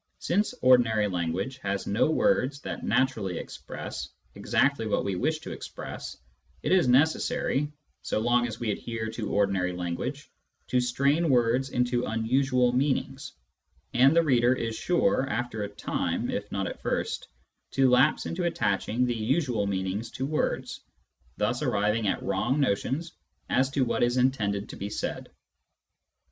Since ordinary language has no words that naturally express exactly what we wish to express, it is necessary, so long as we adhere to ordinary language, to strain words into unusual meanings ; and the reader is sure, after a time if not at first, to lapse into attaching the usual meanings to words, thus arriving at wrong notions as to what is intended to be said.